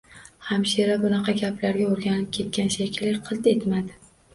Hamshira bunaqa gaplarga o`rganib ketgan shekilli, qilt etmadi